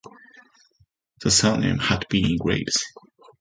The surname had been Greaves.